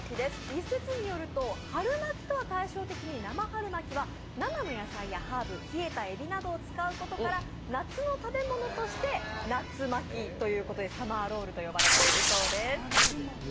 一説によると春巻きとは対照的に生の野菜やハーブ、冷えたえびなどを使うことから夏の食べ物として夏巻き、サマーロールと呼ばれているそうです。